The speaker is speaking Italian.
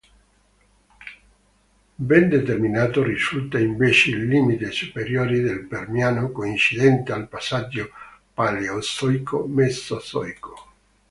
Ben determinato risulta invece il limite superiore del Permiano, coincidente al passaggio Paleozoico-Mesozoico.